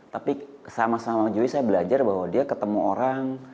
tapi sama sama jujurnya saya belajar bahwa dia ketemu orang